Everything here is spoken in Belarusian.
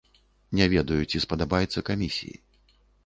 Не ведаю, ці спадабаецца камісіі.